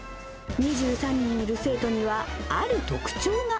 ２３人いる生徒には、ある特徴が。